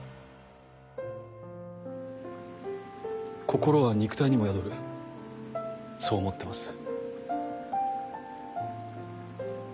心は肉体にも宿るそう思ってます。